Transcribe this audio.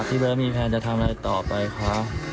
เบิร์ดมีแพลนจะทำอะไรต่อไปคะ